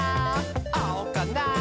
あおかな？